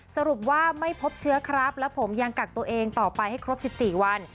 สรุปว่าไม่พบเชื้อครับและผมยังกักตัวเองต่อไปให้ครบ๑๔วัน